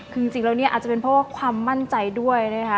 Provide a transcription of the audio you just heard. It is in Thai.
คือจริงแล้วเนี่ยอาจจะเป็นเพราะว่าความมั่นใจด้วยนะคะ